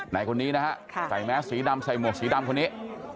ในคนนี้นะฮะใส่แมสสีดำใส่หมวกสีดำคนนี้